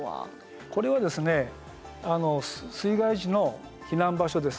これは水害時の避難場所です。